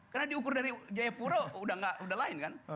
karena diukur dari jayapura udah lain kan